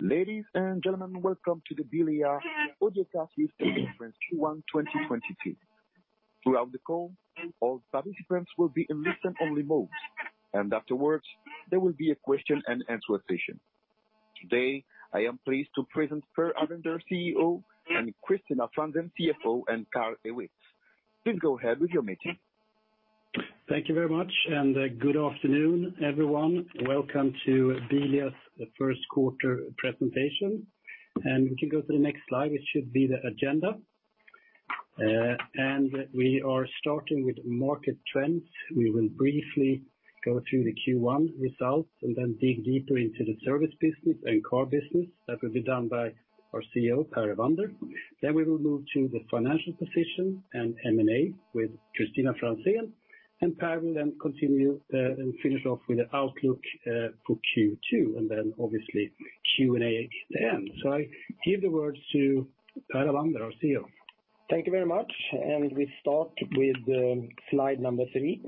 Ladies and gentlemen, welcome to the Bilia quarter conference Q1 2022. Throughout the call, all participants will be in listen-only mode, and afterwards there will be a question and answer session. Today, I am pleased to present Per Avander, CEO, and Kristina Franzén, CFO, and Carl Fredrik Ewetz. Please go ahead with your meeting. Thank you very much, and, good afternoon, everyone. Welcome to Bilia's first quarter presentation. We can go to the next slide, which should be the agenda. We are starting with market trends. We will briefly go through the Q1 results and then dig deeper into the service business and car business. That will be done by our CEO, Per Avander. We will move to the financial position and M&A with Kristina Franzén. Per will then continue, and finish off with the outlook, for Q2, and then obviously Q&A at the end. I give the words to Per Avander, our CEO. Thank you very much. We start with slide number three,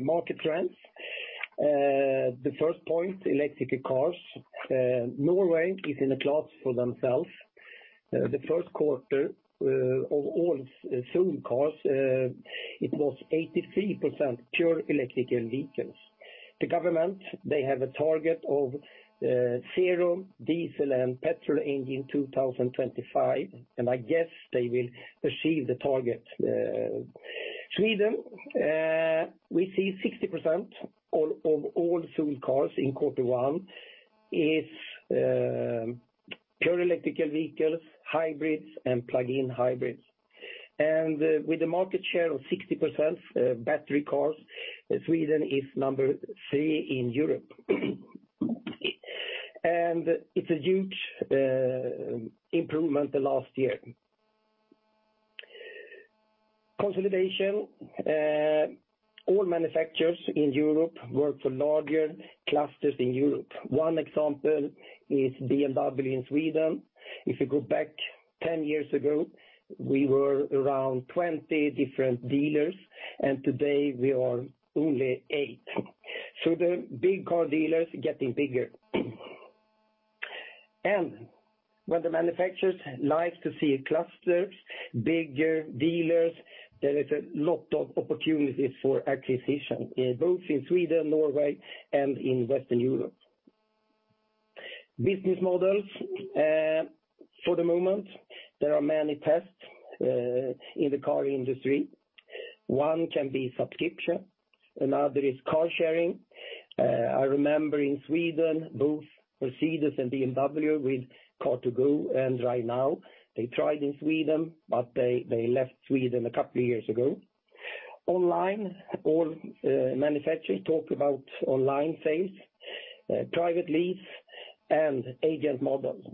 market trends. The first point, electric cars. Norway is in a class by themselves. The first quarter of all sold cars, it was 83% pure electric vehicles. The government, they have a target of zero diesel and petrol engine in 2025, and I guess they will achieve the target. Sweden, we see 60% of all sold cars in quarter one is pure electric vehicles, hybrids, and plug-in hybrids. With a market share of 60%, battery cars, Sweden is number three in Europe. It's a huge improvement the last year. Consolidation. All manufacturers in Europe work for larger clusters in Europe. One example is BMW in Sweden. If you go back 10 years ago, we were around 20 different dealers, and today we are only eight. The big car dealers are getting bigger. When the manufacturers like to see clusters, bigger dealers, there is a lot of opportunities for acquisition, both in Sweden, Norway, and in Western Europe. Business models. For the moment, there are many tests in the car industry. One can be subscription. Another is car sharing. I remember in Sweden, both Mercedes-Benz and BMW with Car2Go and DriveNow, they tried in Sweden, but they left Sweden a couple years ago. Online, all manufacturers talk about online sales, private lease, and agent models.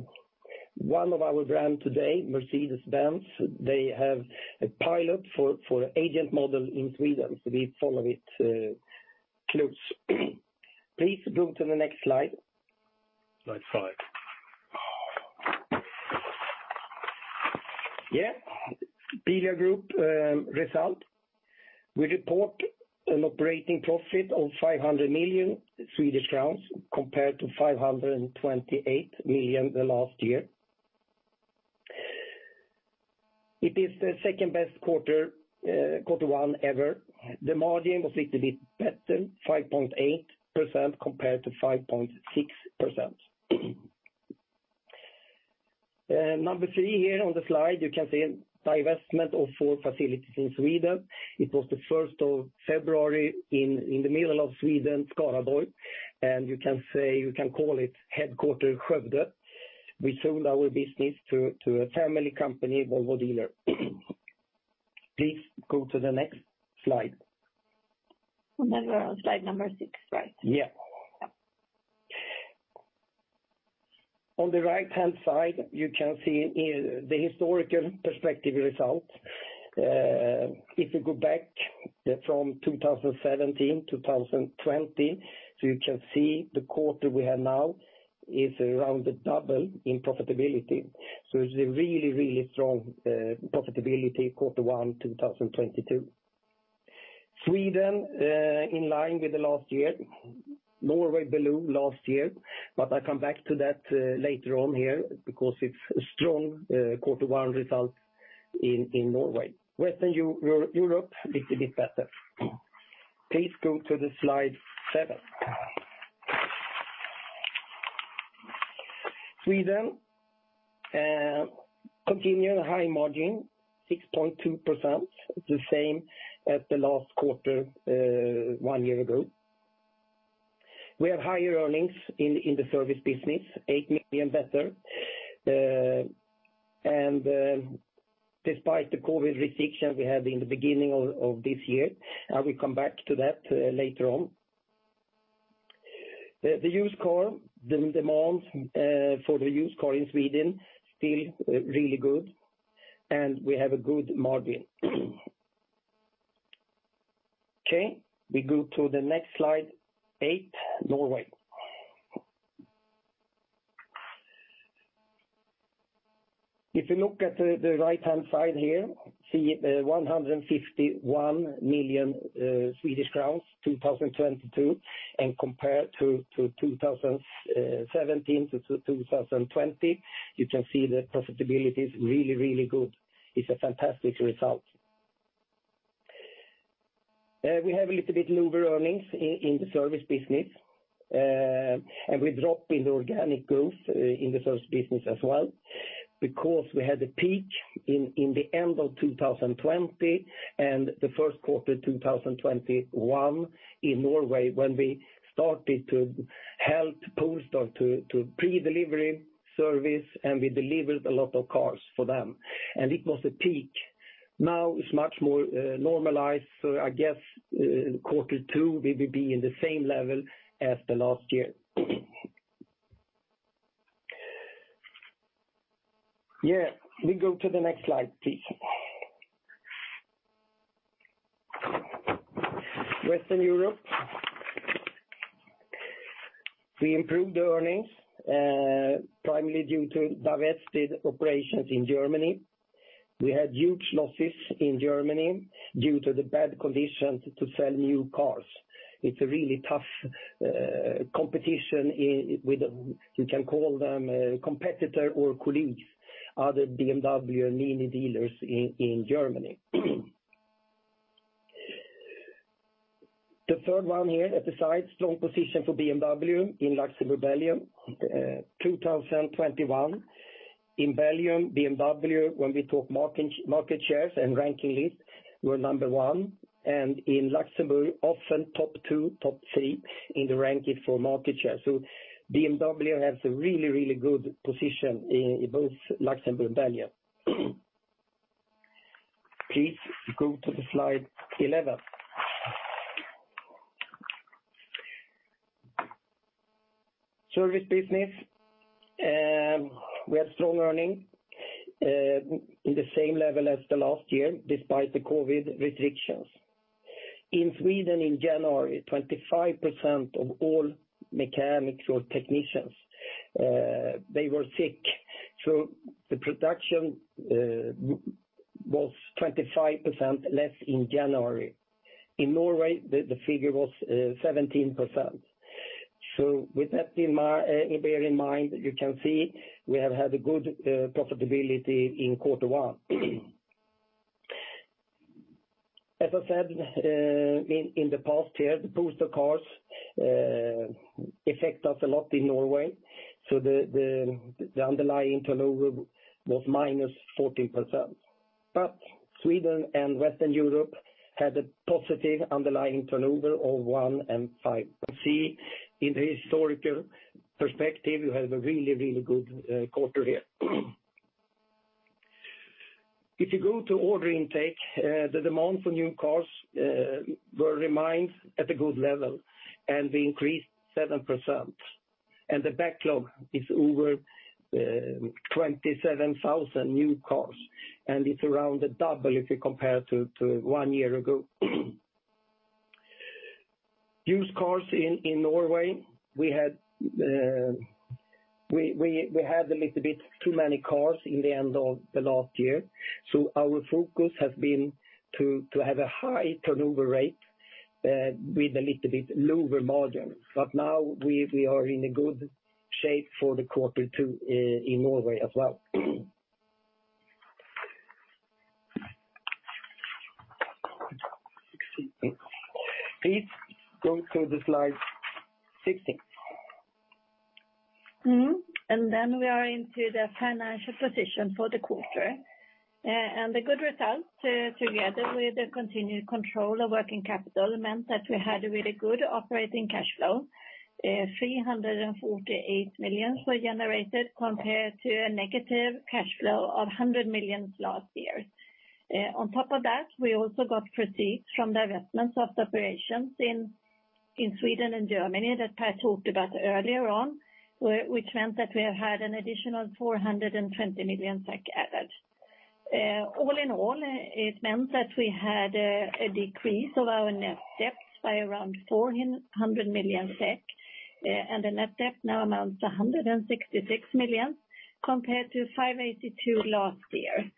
One of our brands today, Mercedes-Benz, they have a pilot for agent model in Sweden. We follow it close. Please go to the next slide. Slide five. Yeah. Bilia Group result. We report an operating profit of 500 million Swedish crowns compared to 528 million last year. It is the second best quarter one ever. The margin was little bit better, 5.8% compared to 5.6%. Number three here on the slide, you can see divestment of four facilities in Sweden. It was the of February first in the middle of Sweden, Skaraborg, and you can say, you can call it headquarters Skövde. We sold our business to a family company, Volvo dealer. Please go to the next slide. We're on slide number six, right? On the right-hand side, you can see here the historical perspective result. If you go back from 2017 to 2020, you can see the quarter we have now is around double in profitability. It's a really strong profitability quarter one 2022. Sweden in line with the last year. Norway below last year, but I come back to that later on here because it's a strong quarter one result in Norway. Western Europe, little bit better. Please go to slide seven. Sweden continue high margin, 6.2%, the same as the last quarter one year ago. We have higher earnings in the service business, 8 million better. Despite the COVID restriction we had in the beginning of this year, I will come back to that later on. The demand for the used car in Sweden is still really good. We have a good margin. Okay, we go to the next slide, eight, Norway. If you look at the right-hand side here, see 151 million Swedish crowns in 2022, and compare to 2017 to 2020, you can see that profitability is really good. It's a fantastic result. We have a little bit lower earnings in the service business. We drop in organic growth in the service business as well, because we had a peak in the end of 2020 and the first quarter, 2021 in Norway, when we started to help PostNord to pre-delivery service, and we delivered a lot of cars for them. It was a peak. Now it's much more normalized. I guess in quarter two, we will be in the same level as the last year. Yeah, we go to the next slide, please. Western Europe. We improved the earnings primarily due to divested operations in Germany. We had huge losses in Germany due to the bad conditions to sell new cars. It's a really tough competition with, you can call them, competitor or colleagues, other BMW and MINI dealers in Germany. The third one here at the side, strong position for BMW in Luxembourg, Belgium, 2021. In Belgium, BMW, when we talk market shares and ranking list, we're number one. In Luxembourg, often top two, top three in the ranking for market share. BMW has a really, really good position in both Luxembourg and Belgium. Please go to the Slide 11. Service business. We have strong earnings in the same level as the last year, despite the COVID restrictions. In Sweden in January, 25% of all mechanics or technicians, they were sick. The production was 25% less in January. In Norway, the figure was 17%. With that in mind, bear in mind, you can see we have had a good profitability in quarter one. As I said, in the past year, the PostNord cars affect us a lot in Norway. The underlying turnover was -14%. Sweden and Western Europe had a positive underlying turnover of 1% and 5%. See, in the historical perspective, you have a really good quarter here. If you go to order intake, the demand for new cars were remained at a good level, and we increased 7%. The backlog is over 27,000 new cars, and it's around double if you compare to one year ago. Used cars in Norway, we had we had a little bit too many cars in the end of the last year. Our focus has been to have a high turnover rate with a little bit lower margin. Now we are in a good shape for quarter two in Norway as well. Please go to the slide 16. Then we are into the financial position for the quarter. The good results together with the continued control of working capital meant that we had a really good operating cash flow. 348 million were generated compared to a negative cash flow of 100 million last year. On top of that, we also got proceeds from divestments of operations in Sweden and Germany that Per talked about earlier on, which meant that we have had an additional 420 million added. All in all, it meant that we had a decrease of our net debt by around 400 million SEK, and the net debt now amounts to 166 million compared to 582 million last year.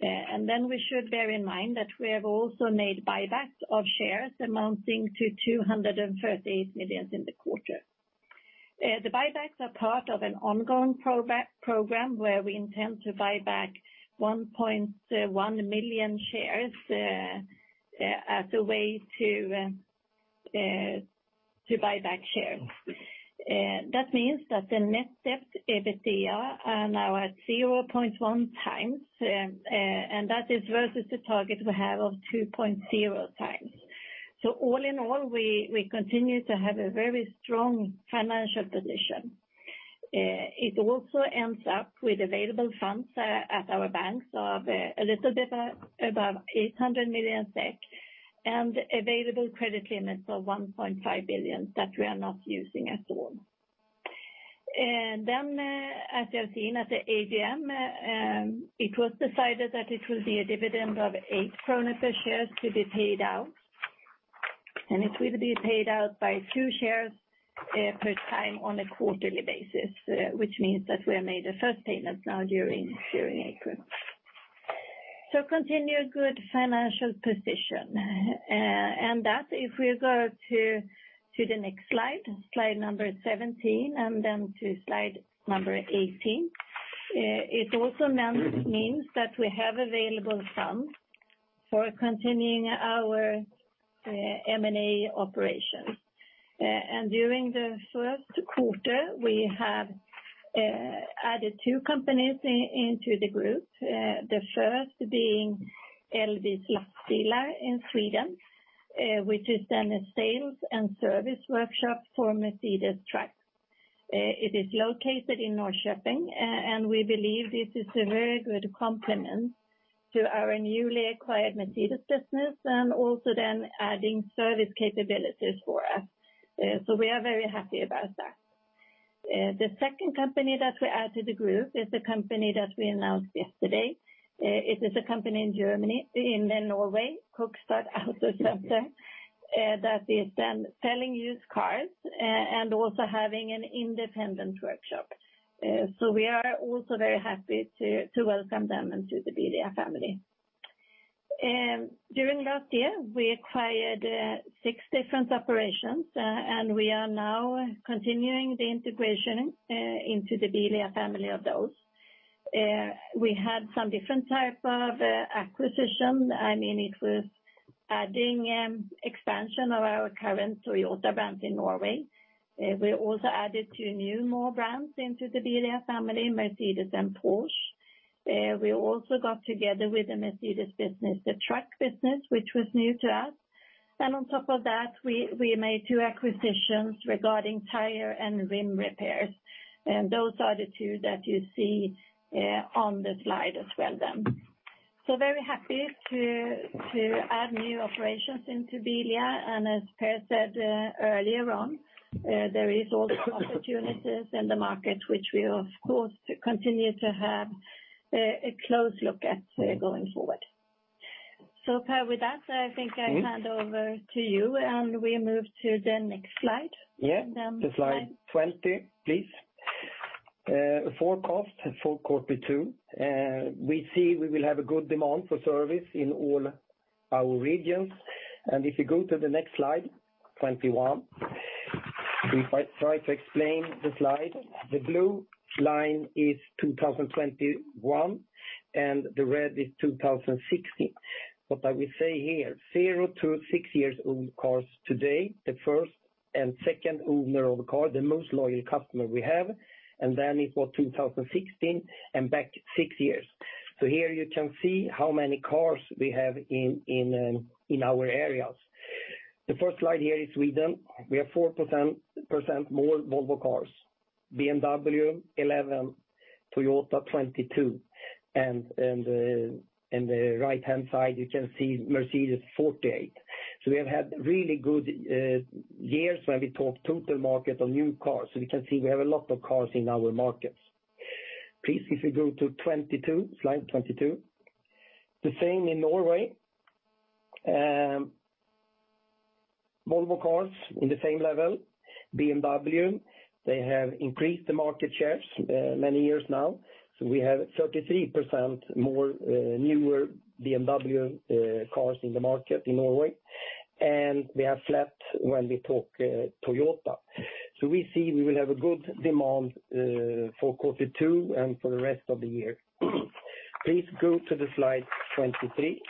We should bear in mind that we have also made buybacks of shares amounting to 238 million in the quarter. The buybacks are part of an ongoing program where we intend to buy back 1.1 million shares as a way to buy back shares. That means that the net debt/EBITDA is now at 0.1x and that is versus the target we have of 2.0x. All in all, we continue to have a very strong financial position. It also ends up with available funds at our banks of a little bit above 800 million SEK and available credit limits of 1.5 billion that we are not using at all. As you have seen at the AGM, it was decided that it will be a dividend of 8 krona per share to be paid out. It will be paid out as 2 per share per quarter, which means that we have made the first payment now during April. Continued good financial position, and that if we go to the next slide number 17, and then to slide number 18. It also means that we have available funds for continuing our M&A operations. During the first quarter, we have added two companies into the group, the first being LB:s Lastbilar in Sweden, which is then a sales and service workshop for Mercedes-Benz Trucks. It is located in Norrköping, and we believe this is a very good complement to our newly acquired Mercedes business and also then adding service capabilities for us. We are very happy about that. The second company that we add to the group is a company that we announced yesterday. It is a company in Norway, Kokstad Autosenter, that is then selling used cars and also having an independent workshop. We are also very happy to welcome them into the Bilia family. During last year, we acquired six different operations, and we are now continuing the integration into the Bilia family of those. We had some different type of acquisition. I mean, it was adding expansion of our current Toyota brand in Norway. We also added two new more brands into the Bilia family, Mercedes and Porsche. We also got together with the Mercedes business, the truck business, which was new to us. On top of that, we made two acquisitions regarding tire and rim repairs. Those are the two that you see on the slide as well then. Very happy to add new operations into Bilia. As Per said earlier on, there is also opportunities in the market, which we of course continue to have a close look at going forward. Per, with that, I think I hand over to you, and we move to the next slide. Yeah. And, um- To slide 20, please. Forecast for quarter two. We see we will have a good demand for service in all our regions. If you go to the next slide, 21. We try to explain the slide. The blue line is 2021, and the red is 2016. What I will say here, zero to six years old cars today, the first and second owner of the car, the most loyal customer we have, and then it was 2016 and back six years. Here you can see how many cars we have in our areas. The first slide here is Sweden. We have 4% more Volvo cars. BMW, 11%. Toyota, 22%. In the right-hand side, you can see Mercedes, 48%. We have had really good years when we talk total market on new cars. We can see we have a lot of cars in our markets. Please, if you go to 22, slide 22. The same in Norway. Volvo cars in the same level. BMW, they have increased the market shares many years now. We have 33% more newer BMW cars in the market in Norway. We are flat when we talk Toyota. We see we will have a good demand for quarter two and for the rest of the year. Please go to the slide 23.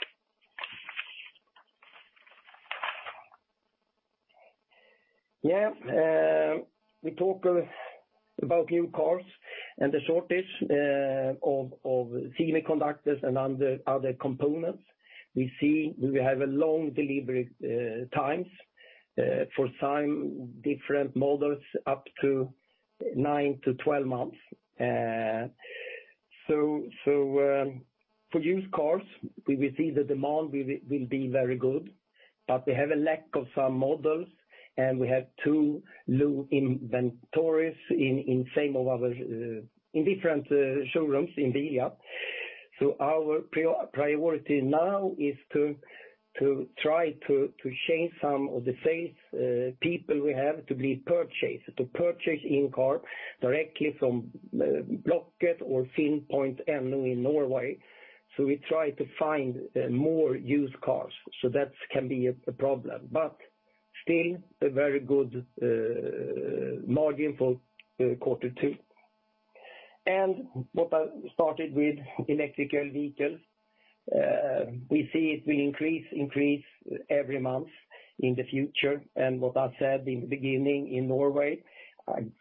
Yeah, we talk about new cars and the shortage of semiconductors and other components. We see we have a long delivery times for some different models, up to nine to 12 months. For used cars, we will see the demand will be very good, but we have a lack of some models, and we have too low inventories in some of our different showrooms in Bilia. Our priority now is to try to change some of the sales people we have to be purchasers, to purchase cars directly from Blocket or Finn.no in Norway. We try to find more used cars, so that can be a problem, but still a very good margin for quarter two. What I started with electric vehicles, we see it will increase every month in the future. What I said in the beginning in Norway,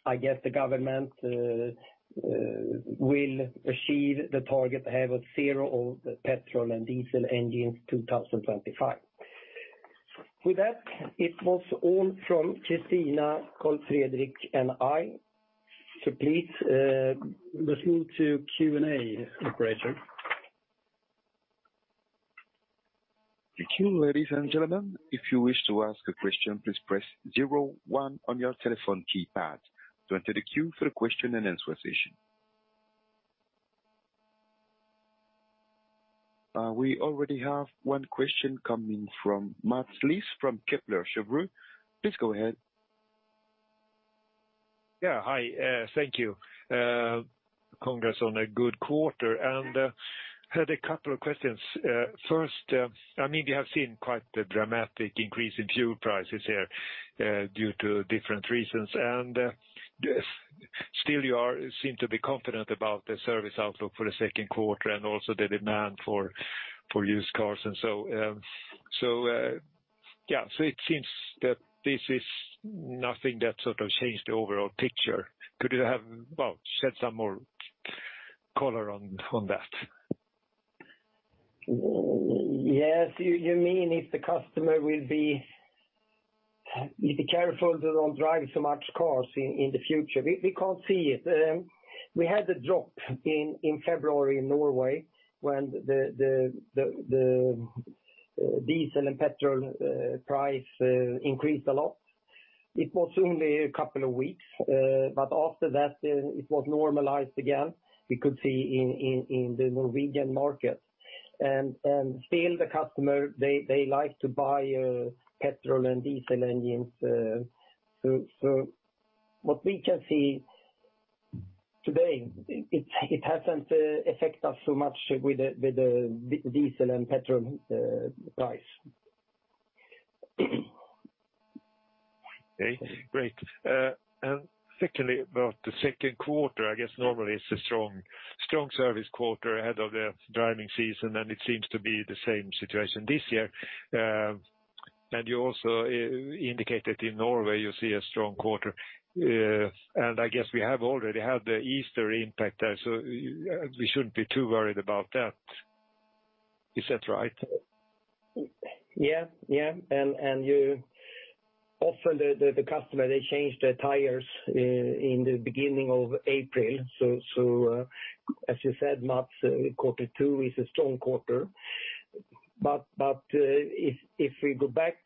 I guess the government will achieve the target they have of zero of the petrol and diesel engines in 2025. With that, it was all from Kristina, Carl Fredrik, and I. Please, let's move to Q&A, operator. Thank you, ladies and gentlemen. If you wish to ask a question, please press zero-one on your telephone keypad to enter the queue for the question and answer session. We already have one question coming from Mats Liss from Kepler Cheuvreux. Please go ahead. Yeah, hi. Thank you. Congrats on a good quarter, and had a couple of questions. First, I mean, you have seen quite the dramatic increase in fuel prices here, due to different reasons, and still seem to be confident about the service outlook for the second quarter and also the demand for used cars. Yeah, so it seems that this is nothing that sort of changed the overall picture. Could you have, well, shed some more color on that? Yes. You mean if the customer will be careful they don't drive so much cars in the future. We can't see it. We had a drop in February in Norway when the diesel and petrol price increased a lot. It was only a couple of weeks, but after that, it was normalized again. We could see in the Norwegian market. Still the customer, they like to buy petrol and diesel engines. So what we can see today, it hasn't affect us so much with the diesel and petrol price. Okay, great. Secondly, about the second quarter, I guess normally it's a strong service quarter ahead of the driving season, and it seems to be the same situation this year. You also indicated in Norway you see a strong quarter. I guess we have already had the Easter impact there, so we shouldn't be too worried about that. Is that right? Yeah. Often the customer they change their tires in the beginning of April. As you said, Mats, quarter two is a strong quarter. If we go back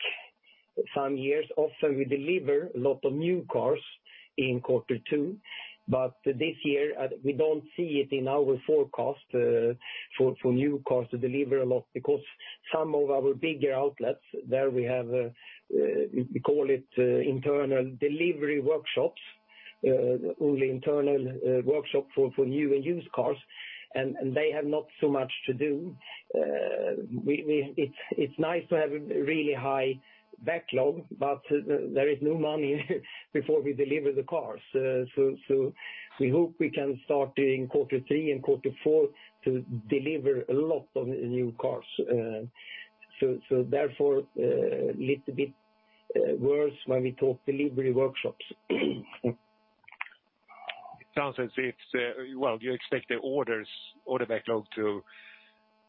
some years, often we deliver a lot of new cars in quarter two. This year, we don't see it in our forecast for new cars to deliver a lot because some of our bigger outlets, there we have we call it internal delivery workshops, only internal workshop for new and used cars, and they have not so much to do. It's nice to have a really high backlog, but there is no money before we deliver the cars. We hope we can start in quarter three and quarter four to deliver a lot of new cars. Therefore, little bit worse when we talk delivery workshops. It sounds as if, well, you expect the orders, order backlog to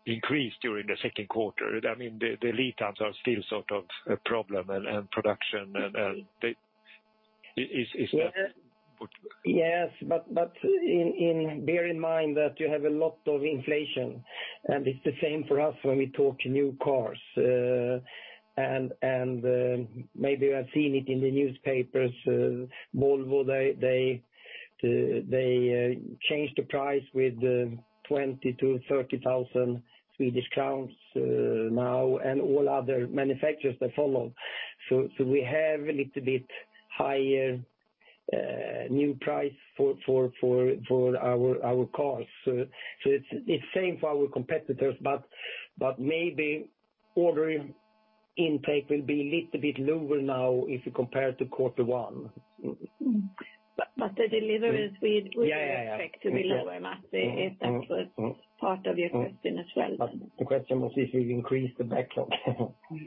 increase during the second quarter. I mean, the lead times are still sort of a problem and production. Is that what Bear in mind that you have a lot of inflation, and it's the same for us when we talk new cars. Maybe you have seen it in the newspapers, Volvo, they changed the price with 20,000-30,000 Swedish crowns now, and all other manufacturers, they follow. We have a little bit higher new price for our cars. It's same for our competitors, but maybe order intake will be a little bit lower now if you compare to quarter one. The deliveries. Yeah, yeah. Would expect to be lower, Mats. If that was part of your question as well. The question was if we increase the backlog. Yeah.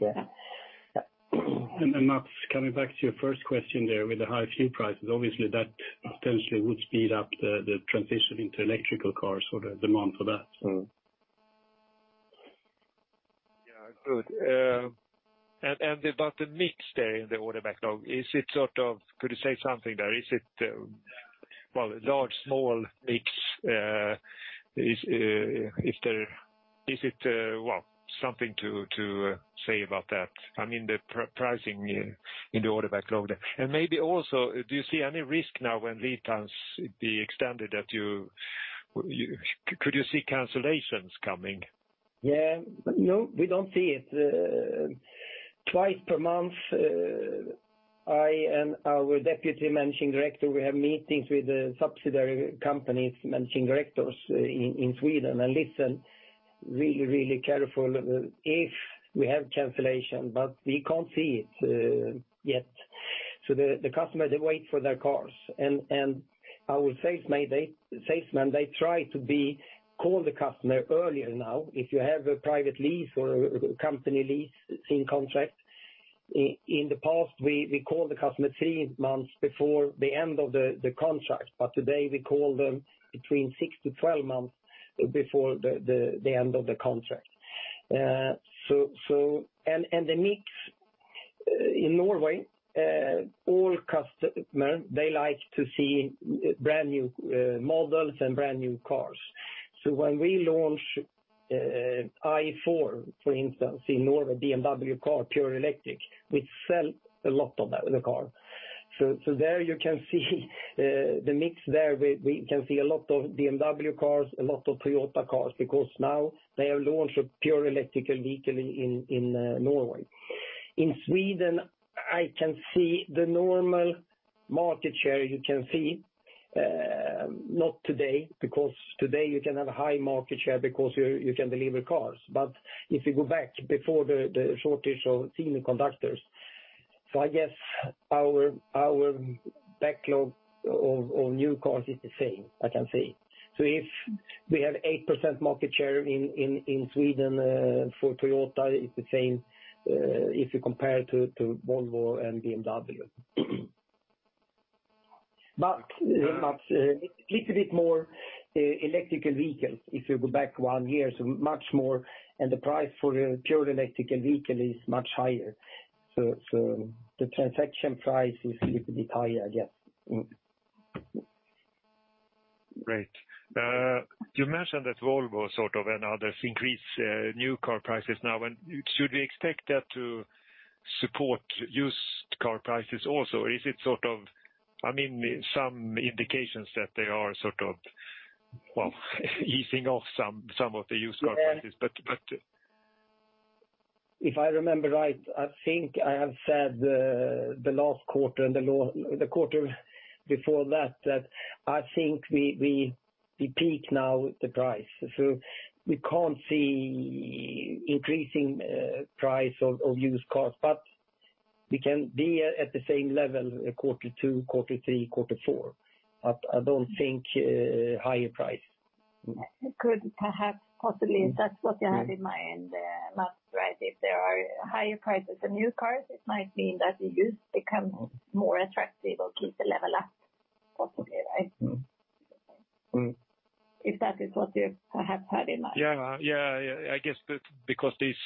Yeah. Mats, coming back to your first question there with the high fuel prices, obviously that potentially would speed up the transition into electric cars or the demand for that, so. Yeah. Good. About the mix there in the order backlog, is it sort of? Could you say something there? Is it large, small mix? Is there something to say about that? I mean, the pricing in the order backlog there. Maybe also, do you see any risk now when lead times be extended that you could see cancellations coming? Yeah. No, we don't see it. Twice per month, I and our deputy managing director, we have meetings with the subsidiary companies managing directors in Sweden, and listen really careful if we have cancellation, but we can't see it yet. So the customers, they wait for their cars. Our salesmen, they try to call the customer earlier now. If you have a private lease or a company lease in contract, in the past, we call the customer three months before the end of the contract. Today, we call them between six to 12 months before the end of the contract. The mix in Norway, all customers, they like to see brand-new models and brand-new cars. When we launch i4, for instance, in Norway, BMW car, pure electric, we sell a lot of that, the car. There you can see the mix there. We can see a lot of BMW cars, a lot of Toyota cars because now they have launched a pure electric vehicle in Norway. In Sweden, I can see the normal market share you can see. Not today, because today you can have high market share because you can deliver cars. If you go back before the shortage of semiconductors. I guess our backlog of new cars is the same, I can see. If we have 8% market share in Sweden for Toyota, it's the same if you compare to Volvo and BMW. But little bit more electric vehicles if you go back one year, so much more. The price for a pure electric vehicle is much higher. The transaction price is little bit higher, yes. Great. You mentioned that Volvo, sort of, and others increase new car prices now. Should we expect that to support used car prices also? Is it sort of? I mean, some indications that they are sort of easing off some of the used car prices. But If I remember right, I think I have said the last quarter and the quarter before that that I think we peak now with the price. We can't see increasing price of used cars, but we can be at the same level quarter two, quarter three, quarter four. I don't think higher price. It could perhaps, possibly, that's what you have in mind, Mats, right? If there are higher prices for new cars, it might mean that the used become more attractive or keep the level up, possibly, right? Mm-hmm. If that is what you perhaps had in mind. Yeah. I guess that because these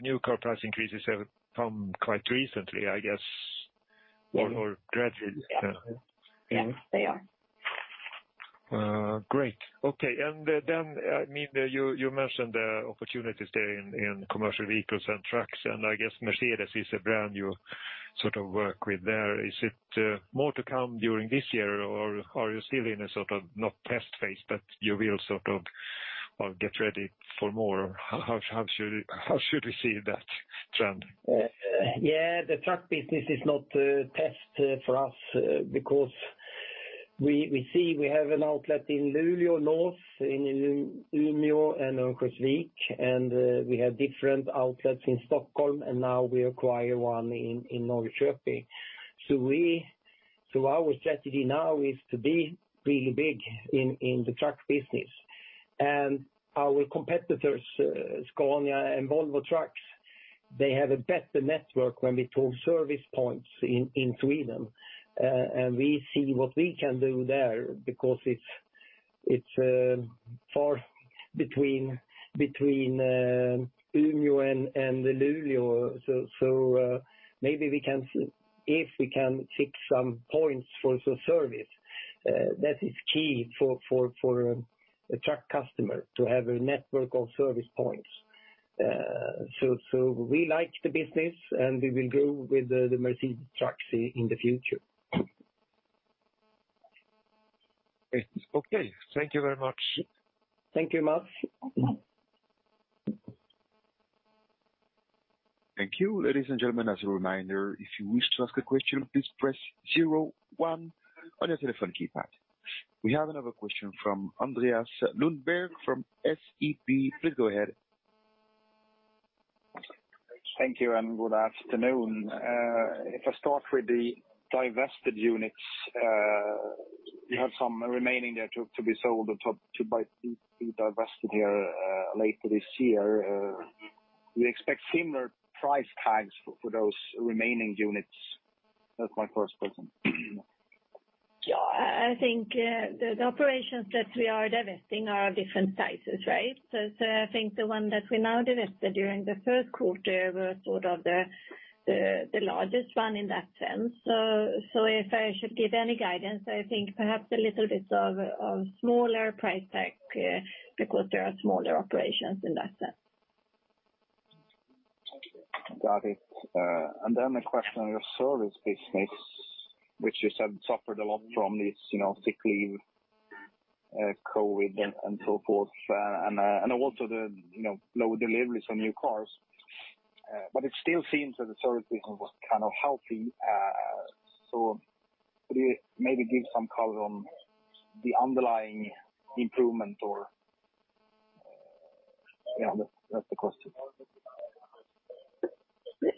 new car price increases have come quite recently, I guess, or gradually. Yes, they are. Great. Okay. I mean, you mentioned the opportunities there in commercial vehicles and trucks, and I guess Mercedes-Benz is a brand you sort of work with there. Is it more to come during this year, or are you still in a sort of, not test phase, but you will sort of, well, get ready for more? How should we see that trend? Yeah. The truck business is not a test for us, because we see we have an outlet in Luleå north, in Umeå and Örnsköldsvik, and we have different outlets in Stockholm, and now we acquire one in Norrköping. Our strategy now is to be really big in the truck business. Our competitors, Scania and Volvo Trucks, they have a better network when we talk service points in Sweden. We see what we can do there because it's far between Umeå and Luleå. Maybe if we can fix some points for service, that is key for a truck customer to have a network of service points. We like the business, and we will grow with the Mercedes-Benz Trucks in the future. Okay. Thank you very much. Thank you, Mats. Thank you. Ladies and gentlemen, as a reminder, if you wish to ask a question, please press zero-one on your telephone keypad. We have another question from Andreas Lundberg from SEB. Please go ahead. Thank you, and good afternoon. If I start with the divested units, you have some remaining there to be sold or to be divested here later this year. Do you expect similar price tags for those remaining units? That's my first question. Yeah. I think the operations that we are divesting are of different sizes, right? So I think the one that we now divested during the first quarter were sort of the largest one in that sense. So if I should give any guidance, I think perhaps a little bit of smaller price tag because there are smaller operations in that sense. Got it. A question on your service business, which you said suffered a lot from this, you know, sick leave, COVID and so forth, and also the, you know, low deliveries on new cars. It still seems that the service business was kind of healthy. Could you maybe give some color on the underlying improvement? Yeah, that's the question.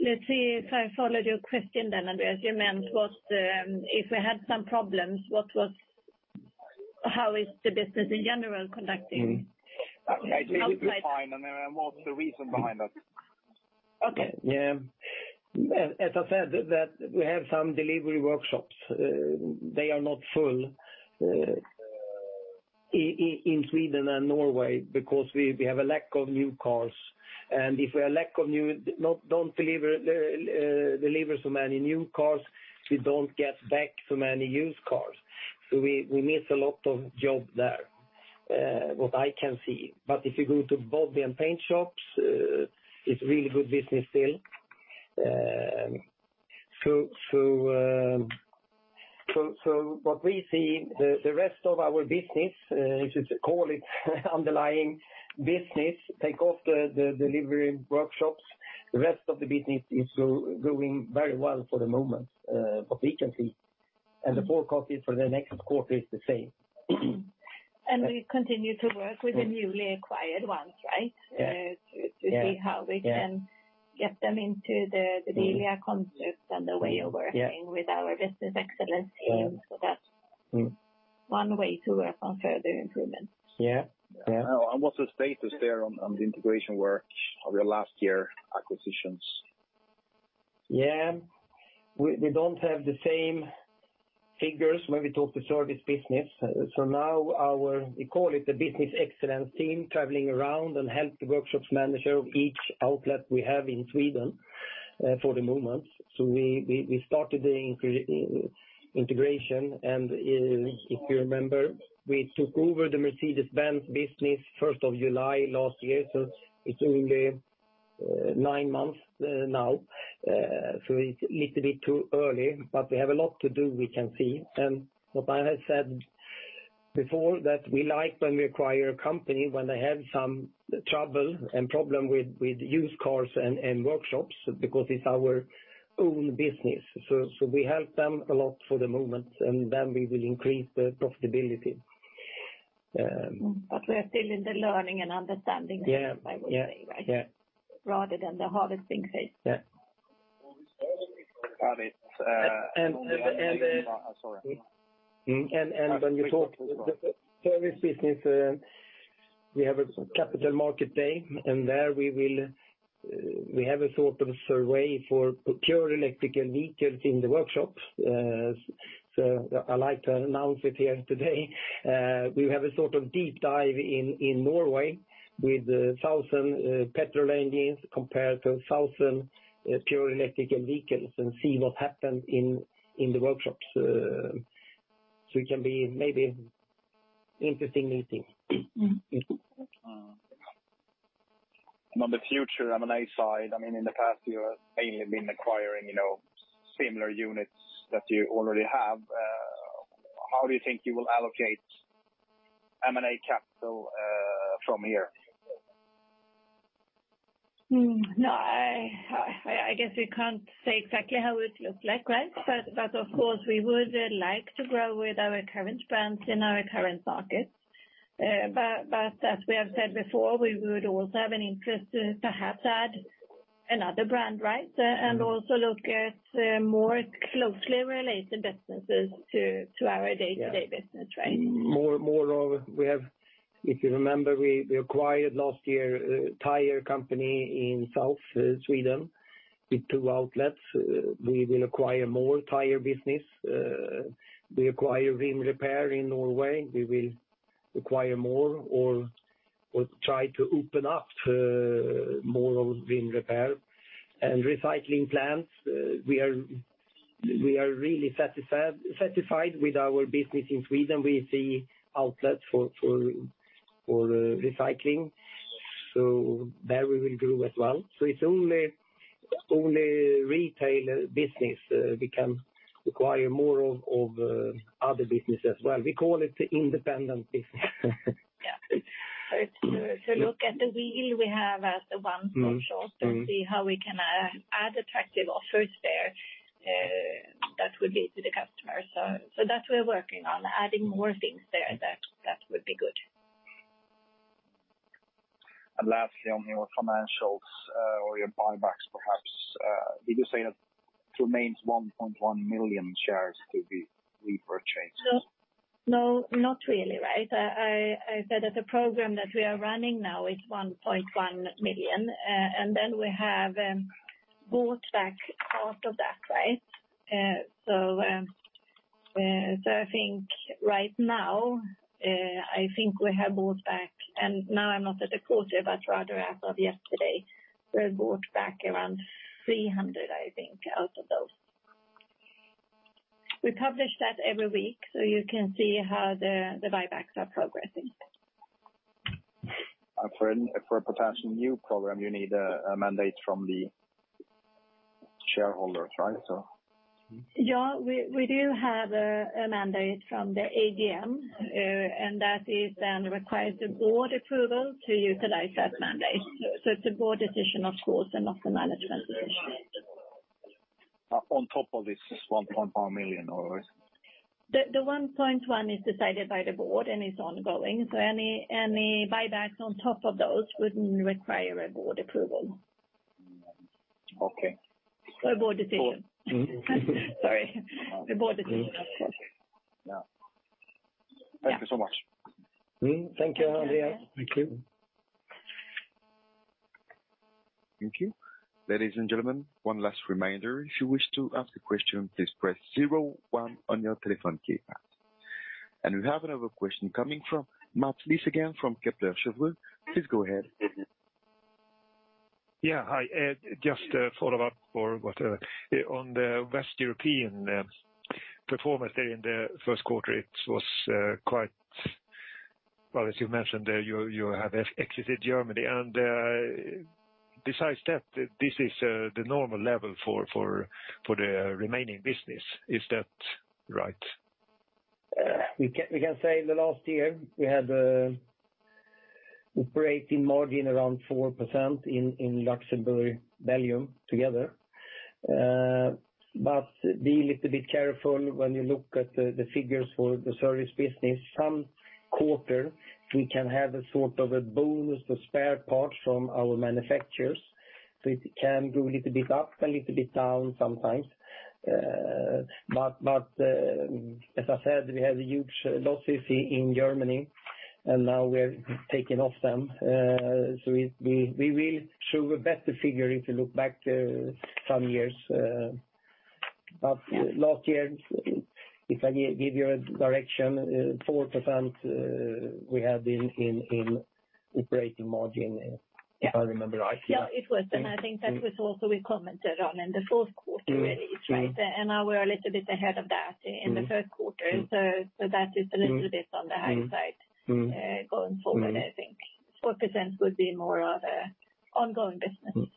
Let's see if I followed your question then, Andreas. You meant what if we had some problems. How is the business in general conducting? I think it was fine, and what's the reason behind that? Okay. As I said, that we have some delivery workshops. They are not full in Sweden and Norway because we have a lack of new cars. If we have a lack of new cars, we don't deliver so many new cars, we don't get back so many used cars. We miss a lot of job there. What I can see. If you go to body and paint shops, it's really good business still. What we see, the rest of our business, if you call it underlying business, take off the delivery workshops, the rest of the business is doing very well for the moment, what we can see. The forecast for the next quarter is the same. We continue to work with the newly acquired ones, right? Yeah. To see how we can get them into the Bilia concept and the way of working. Yeah. with our Business Excellence team. Yeah. That's one way to work on further improvements. Yeah. Yeah. What's the status there on the integration work of your last year acquisitions? Yeah. We don't have the same figures when we talk to service business. We call it the Business Excellence team, traveling around and help the workshops manager of each outlet we have in Sweden, for the moment. We started the integration, and if you remember, we took over the Mercedes-Benz business first of July last year, so it's only nine months now. It's a little bit too early, but we have a lot to do, we can see. What I have said before, that we like when we acquire a company when they have some trouble and problem with used cars and workshops because it's our own business. We help them a lot for the moment, and then we will increase the profitability. We are still in the learning and understanding phase. Yeah. I would say, right? Yeah. Rather than the harvesting phase. Yeah. When you talk service business, we have a Capital Markets Day. We have a sort of survey for pure electric vehicles in the workshops. So I'd like to announce it here today. We have a sort of deep dive in Norway with 1,000 petrol engines compared to 1,000 pure electric vehicles and see what happens in the workshops. So it can be maybe interesting new thing. On the future M&A side, I mean, in the past you have mainly been acquiring, you know, similar units that you already have. How do you think you will allocate M&A capital from here? No, I guess we can't say exactly how it looks like, right? Of course, we would like to grow with our current brands in our current markets. As we have said before, we would also have an interest to perhaps add another brand, right? Mm-hmm. Also look at more closely related businesses to our day-to-day business, right? If you remember, we acquired last year a tire company in south Sweden with two outlets. We will acquire more tire business. We acquired rim repair in Norway. We will acquire more or try to open up to more of rim repair. Recycling plants, we are really satisfied with our business in Sweden. We see outlets for recycling. There we will grow as well. It's only retail business. We can acquire more of other business as well. We call it the independent business. Yeah. To look at the whole we have as One Stop Shop. Mm-hmm. To see how we can add attractive offers there, that would be to the customer. That we are working on adding more things there that would be good. Lastly, on your financials, or your buybacks perhaps, did you say that remains 1.1 million shares to be repurchased? No, not really, right? I said that the program that we are running now is 1.1 billion, and then we have bought back part of that, right? So I think right now. I'm not at the quarter, but rather as of yesterday, we bought back around 300 million, I think, out of those. We publish that every week, so you can see how the buybacks are progressing. For a potential new program, you need a mandate from the shareholders, right? Yeah. We do have a mandate from the AGM, and that then requires board approval to utilize that mandate. It's a board decision, of course, and not a management decision. On top of this 1.1 million, all right? The 1.1 is decided by the board and is ongoing. Any buybacks on top of those would require a board approval. Okay. A board decision. Yeah. Thank you so much. Thank you, Andreas. Thank you. Thank you. Ladies and gentlemen, one last reminder, if you wish to ask a question, please press zero one on your telephone keypad. We have another question coming from Mats Liss again from Kepler Cheuvreux. Please go ahead. Yeah. Hi, just a follow-up or whatever. On the Western European performance there in the first quarter, it was. Well, as you mentioned there, you have exited Germany. Besides that, this is the normal level for the remaining business. Is that right? We can say in the last year we had operating margin around 4% in Luxembourg, Belgium together. Be a little bit careful when you look at the figures for the service business. Some quarter, we can have a sort of a bonus for spare parts from our manufacturers. It can go a little bit up, a little bit down sometimes. As I said, we have huge losses in Germany, and now we're taking them off. We will show a better figure if you look back to some years. Last year, if I give you a direction, 4%, we had in operating margin, if I remember right. Yeah, it was. I think that was also what we commented on in the fourth quarter really. Right? Now we're a little bit ahead of that in the first quarter. That is a little bit on the high side, going forward, I think. 4% would be more of a ongoing business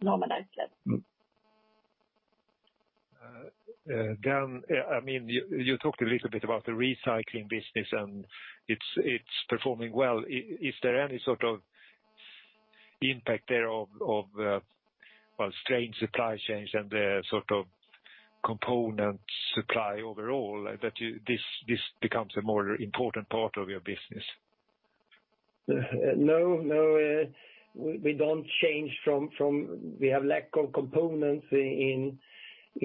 normalized level. Per Avander, I mean, you talked a little bit about the recycling business, and it's performing well. Is there any sort of impact there of strained supply chains and the sort of component supply overall, this becomes a more important part of your business? No. We have lack of components in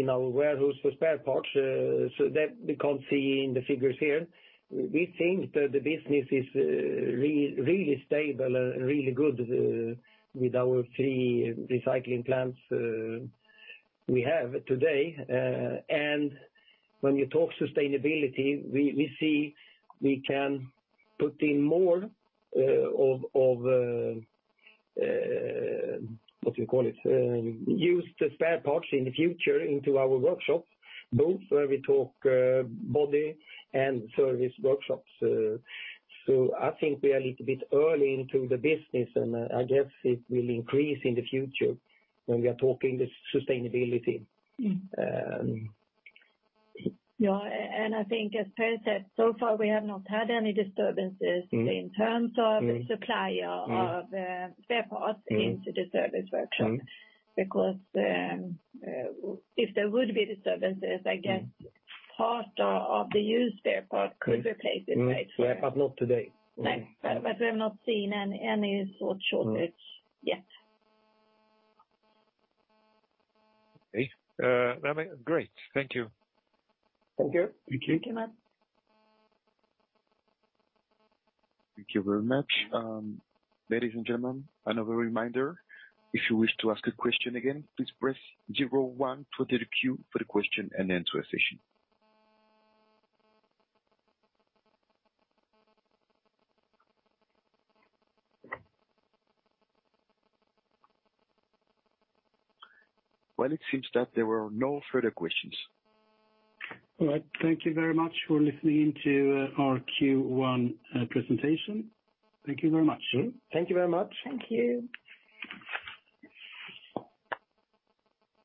our warehouse for spare parts, so that we can't see in the figures here. We think that the business is really stable and really good with our three recycling plants we have today. When you talk sustainability, we see we can put in more of use the spare parts in the future into our workshops, both where we talk body and service workshops. I think we are a little bit early into the business, and I guess it will increase in the future when we are talking the sustainability. Yeah. I think as Per said, so far we have not had any disturbances in terms of supply of spare parts into the service workshop. Because, if there would be disturbances, I guess part of the used spare part could be replaced, right? Not today. No. We have not seen any sort of shortage yet. Okay. That be great. Thank you. Thank you. Thank you. Thank you. Thank you very much. Ladies and gentlemen, another reminder, if you wish to ask a question again, please press zero one for the queue for the question and answer session. Well, it seems that there were no further questions. All right. Thank you very much for listening to our Q1 presentation. Thank you very much. Thank you very much. Thank you.